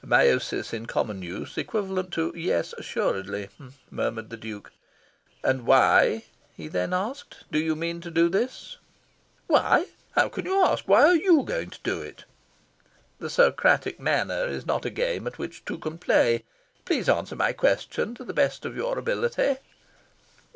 "A meiosis in common use, equivalent to 'Yes, assuredly,'" murmured the Duke. "And why," he then asked, "do you mean to do this?" "Why? How can you ask? Why are YOU going to do it?" "The Socratic manner is not a game at which two can play. Please answer my question, to the best of your ability."